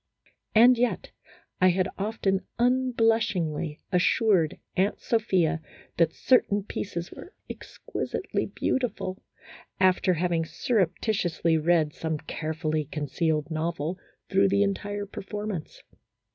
And yet I had often unblushingly assured Aunt Sophia that certain pieces were " exquisitely beauti ful," after having surreptitiously read some carefully concealed novel through the entire performance.